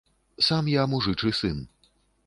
Сам я мужычы сын.